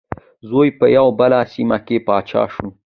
زوی په یوه بله سیمه کې پاچا شو.